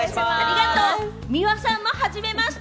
三輪さんも初めまして！